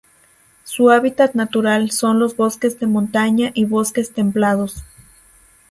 Su hábitat natural son los bosques de montaña y bosques templados.